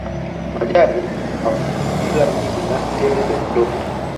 Majani mafupi bila miti na tele ndogondogo